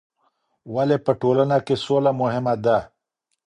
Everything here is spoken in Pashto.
ولې په ټولنه کې سوله مهمه ده؟